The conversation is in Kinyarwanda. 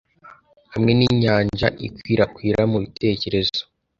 hamwe ninyanja ikwirakwira mubitekerezo